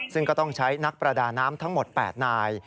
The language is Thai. ซึ่งก็ต้องใช้นักประดาน้ำทั้งหมด๘นาย